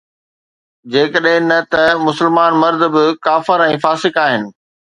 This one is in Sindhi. جيڪڏهن نه ته مسلمان مرد به ڪافر ۽ فاسق آهن